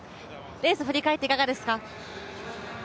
レースを振り返っていかがですか？